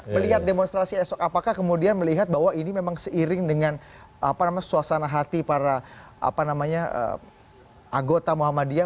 melihat demonstrasi esok apakah kemudian melihat bahwa ini memang seiring dengan apa namanya suasana hati para apa namanya agota muhammadiyah